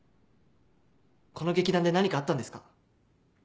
この劇団で何かあったんですか？